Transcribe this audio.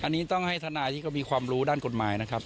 อันนี้ต้องให้ทนายที่เขามีความรู้ด้านกฎหมายนะครับ